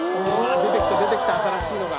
出てきた出てきた新しいのが。